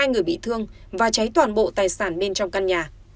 hai người bị thương và cháy toàn bộ tài sản bên trong căn nhà